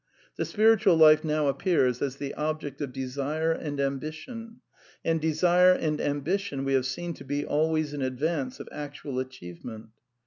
The spiritual life now appears as the object of desire and ambition ; and desire and ambition we have seen to be always in advance of actual achievement.